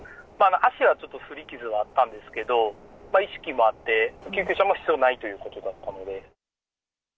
足はちょっとすり傷はあったんですけど、意識もあって、救急車も必要ないということだったので。